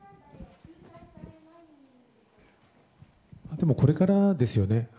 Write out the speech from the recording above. でも、これからですよね。